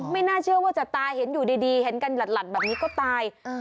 ไม่น่าเชื่อว่าจะตายเห็นอยู่ดีเห็นกันหลัดแบบนี้ก็ตาย